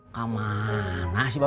kamana sih bapak